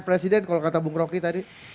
kalau bung roky tadi kalau bung roky tadi